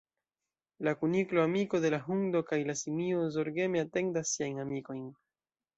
La kuniklo, amiko de la hundo kaj la simio, zorgeme atendas siajn amikojn.